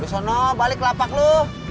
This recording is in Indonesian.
kembali kelapak lu